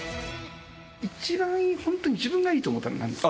一番ホントに自分がいいと思ったのは何ですか？